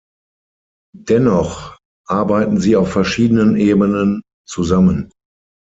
Dennoch arbeiten sie auf verschiedenen Ebenen zusammen.